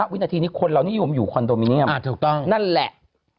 วินาทีนี้คนเรานิยมอยู่คอนโดมิเนียมนั่นแหละ